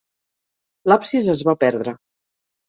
L'absis es va perdre.